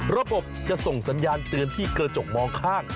ระบบจะส่งสัญญาณเตือนที่กระจกมองข้าง